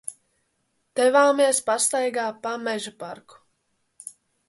Devāmies pastaigā pa Mežaparku.